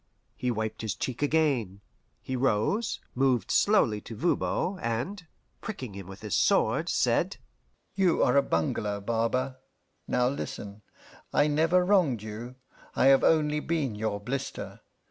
he wiped his cheek again. He rose, moved slowly to Voban, and, pricking him with his sword, said, "You are a bungler, barber. Now listen. I never wronged you; I have only been your blister.